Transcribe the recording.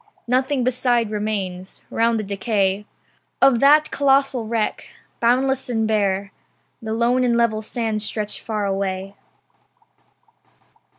Nothing beside remains. Round the decay Of that colossal wreck, boundless and bare The lone and level sands stretch far away.